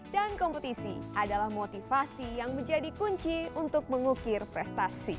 dan kompetisi adalah motivasi yang menjadi kunci untuk mengukir prestasi